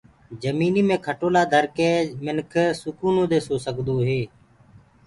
جمينيٚ مي کٽولآ ڌرڪي منک سڪونو دي سو سگدوئي